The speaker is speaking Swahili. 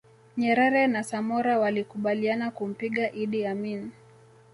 Nyerere na Samora walikubaliana kumpiga Idi Amin